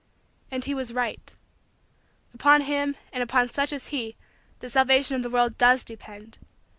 And he was right. Upon him and upon such as he the salvation of the world does depend.